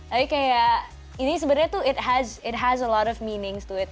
tapi kayak ini sebenarnya tuh it has a lot of meaning to it